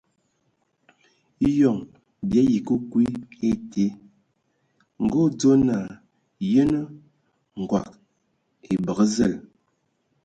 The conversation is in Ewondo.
Eyon bii ayi ke kwi a ete, ngə o dzo naa :Yənə, ngɔg e bəgə zəl !